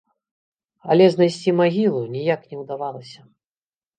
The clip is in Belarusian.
Але знайсці магілу ніяк не ўдавалася.